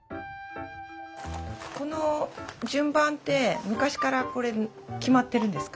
この順番って昔からこれ決まってるんですか？